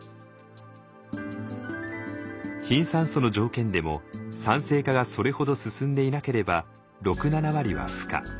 貧酸素の条件でも酸性化がそれほど進んでいなければ６７割は孵化。